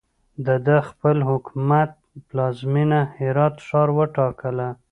ده د خپل حکومت پلازمینه هرات ښار وټاکله.